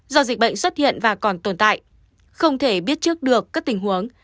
do dịch bệnh xuất hiện và còn tồn tại không thể biết trước được các tình huống